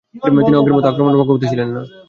তিনি অজ্ঞের মত আক্রমণের পক্ষপাতি ছিলেন না।